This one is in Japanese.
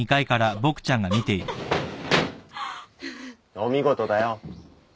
お見事だよ。